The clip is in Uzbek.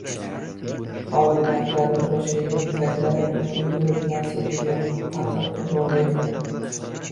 Hovard maktabdan boʻshagan paytlari uyma-uy yurib narsa sotadigan faqir bir bola edi